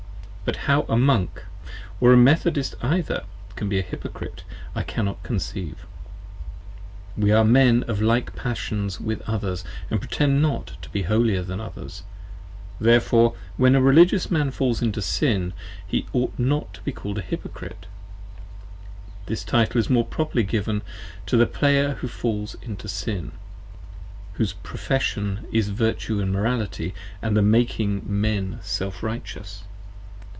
but how a Monk, or a Methodist either, can be a Hypocrite, I cannot conceive. We are Men of like passions with others & pretend not to be holier than others: therefore, when a Religious Man falls into Sin, he ought not to be call'd a Hypocrite; this title is more properly to be given to a Player who falls into Sin; whose profession is Virtue & Morality & the 35 making Men Self Righteous.